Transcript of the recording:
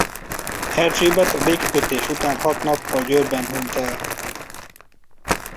Erzsébet a békekötés után hat nappal Győrben hunyt el.